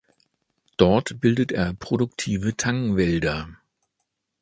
Dort bildet er produktive Tangwälder.